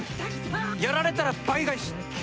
やられたら倍返し！ってな。